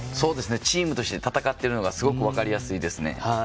チームとして戦っているのがすごく分かりやすいですね。